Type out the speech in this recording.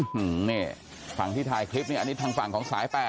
ฮึงฟังที่ถ่ายคลิปนี่อันนี้ฝั่งของสาย๘ครับ